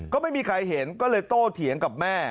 ก็ไม่มีใครเห็นก็เลยโตเถียงกับแม่